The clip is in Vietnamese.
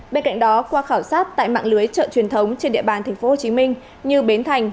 bên cạnh đó qua khảo sát tại mạng lưới chợ truyền thống trên địa bàn tp hcm như bến thành